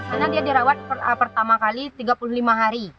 karena dia dirawat pertama kali tiga puluh lima hari